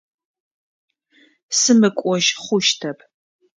Сымыкӏожь хъущтэп.